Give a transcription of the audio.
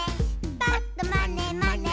「ぱっとまねまね」